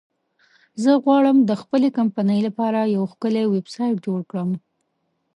زه غواړم د خپلې کمپنی لپاره یو ښکلی ویبسایټ جوړ کړم